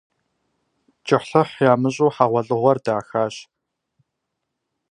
КӀыхьлӀыхь ямыщӀу хьэгъуэлӀыгъуэр дахащ.